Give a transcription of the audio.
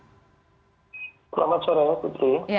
selamat sore pak putri